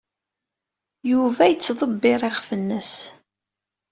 Yuba yettḍebbir iɣef-nnes.